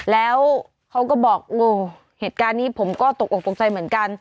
แล้วเขาก็บอกโอ้เหตุการณ์นี้ผมก็ตกออกตกใจเหมือนกัน